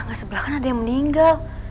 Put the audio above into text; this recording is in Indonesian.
nggak ada apa apa